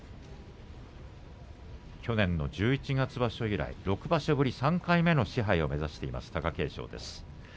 去年の十一月場所以来３回目の賜盃を目指している貴景勝です。